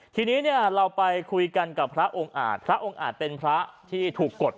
ทีนี้เนี่ยเราไปคุยกันกับพระองค์อาจพระองค์อาจเป็นพระที่ถูกกด